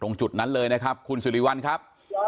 จุดนั้นเลยนะครับคุณสิริวัลครับ